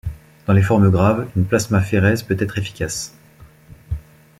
Dans les formes graves, une plasmaphérèse peut être efficace.